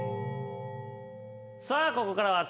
さあここからは。